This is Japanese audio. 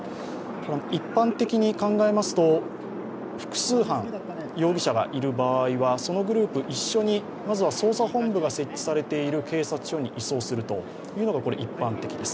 一般的に考えますと、複数犯、容疑者がいる場合は、そのグループ一緒にまずは捜査本部が設置されている警察署に移送するのが一般的です。